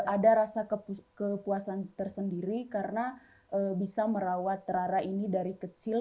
ada rasa kepuasan tersendiri karena bisa merawat rara ini dari kecil